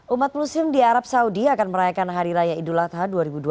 umat muslim di arab saudi akan merayakan hari raya idul adha dua ribu dua puluh